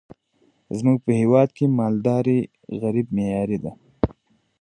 زمونږ په هیواد کی مالداری غیری معیاری ده